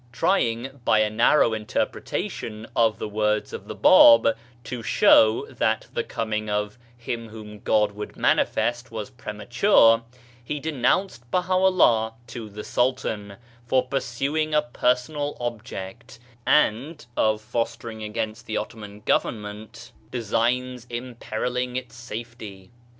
Trying by a narrow interpretation of the words of the Bab to show that the coming of " Him whom God would manifest " was premature, he denounced Baha'u'llah to the Sultan, for pursuing a personal object, and of fostering against the Otto man Government designs imperilling its safety.